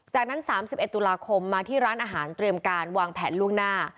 จากนั้น๓๑ตุลาคมมาที่ร้านอาหารเตรียมการวางแผนล่วงหน้า